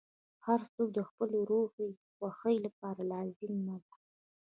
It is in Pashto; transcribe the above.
• هر څوک د خپل روحي خوښۍ لپاره لازمه ده.